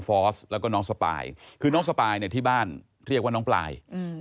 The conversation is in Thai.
ฟอสและพลายทั้งน้องสปายที่บ้านเราเรียกว่าพุราญ